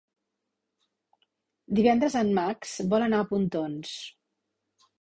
Divendres en Max vol anar a Pontons.